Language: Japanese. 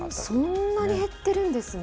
そんなに減ってるんですね。